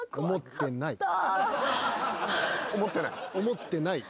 思ってない？